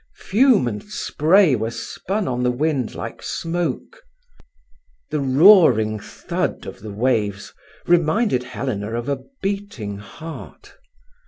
Fume and spray were spun on the wind like smoke. The roaring thud of the waves reminded Helena of a beating heart.